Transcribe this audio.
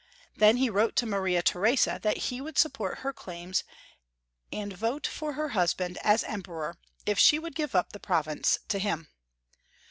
Then he wrote to Maria Theresa that he would support her claims and vote 392 \ Karl VIZ 896 for her husband as Emperor if she would give up the province to him.